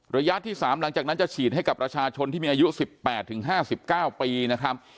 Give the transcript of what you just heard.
ระยะที่๓หลังจากนั้นจะฉีดให้กับประชาชนที่มีอายุ๑๘๕๙ปีนะครับ